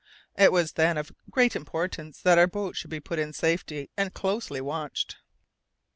It was, then, of great importance that our boat should be put in safety and closely watched.